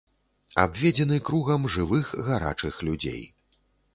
Абведзены кругам жывых гарачых людзей.